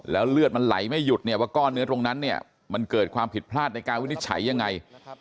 แล้วเลือดมันไหลไม่หยุดเนี่ยว่าก้อนเนื้อตรงนั้นเนี่ยมันเกิดความผิดพลาดในการวินิจฉัยยังไง